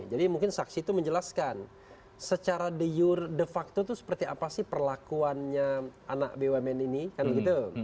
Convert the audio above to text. jadi mungkin saksi itu menjelaskan secara de facto itu seperti apa sih perlakuannya anak bumn ini